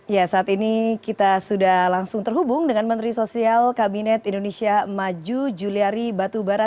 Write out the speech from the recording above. ya saat ini kita sudah langsung terhubung dengan menteri sosial kabinet indonesia maju juliari batubara